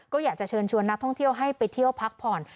ก็อยากจะเชิญชวนนักท่องเที่ยวให้ไปเที่ยวพักผ่อน